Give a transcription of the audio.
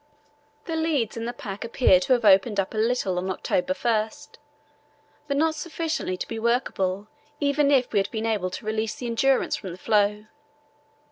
The leads in the pack appeared to have opened out a little on October 1, but not sufficiently to be workable even if we had been able to release the Endurance from the floe.